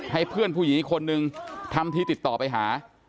ให้เพื่อนผู้หญิงอีกคนนึงทำทีติดต่อไปหา